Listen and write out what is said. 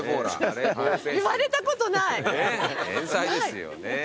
天才ですよ。